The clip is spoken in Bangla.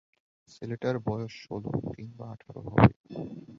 ছেলেটার বয়স ষোলো কিংবা আঠারো হবে।